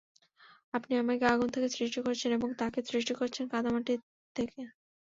আপনি আমাকে আগুন থেকে সৃষ্টি করেছেন এবং তাকে সৃষ্টি করেছেন কাদা মাটি থেকে।